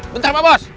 bentar pak bos